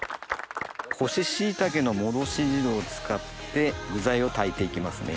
干し椎茸の戻し汁を使って具材を炊いていきますね。